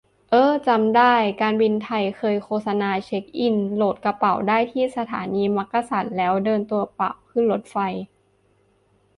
เอ้อจำได้ การบินไทยเคยโฆษณา เช็กอิน โหลดกระเป๋าได้ที่สถานีมักกะสัน แล้วเดินตัวเปล่าขึ้นรถไฟ